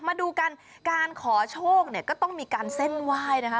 มาดูกันการขอโชคเนี่ยก็ต้องมีการเส้นไหว้นะคะ